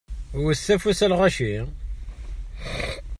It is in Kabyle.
Wtet afus, a lɣaci!